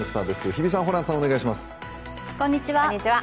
日比さん、ホランさん、お願いします。